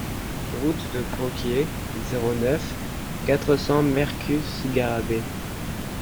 Route de Croquié, zéro neuf, quatre cents Mercus-Garrabet